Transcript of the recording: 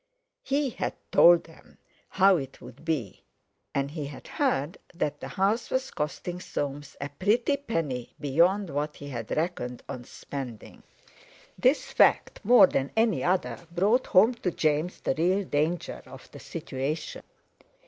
He had told them how it would be. And he had heard that the house was costing Soames a pretty penny beyond what he had reckoned on spending. This fact, more than any other, brought home to James the real danger of the situation.